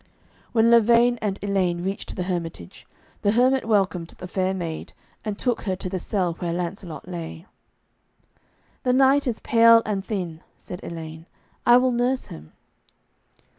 When Lavaine and Elaine reached the hermitage, the hermit welcomed the fair maid, and took her to the cell where Lancelot lay. 'The knight is pale and thin,' said Elaine; 'I will nurse him.'